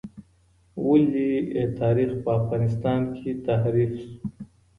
ولې تاریخ په افغانستان کې تحریف سو؟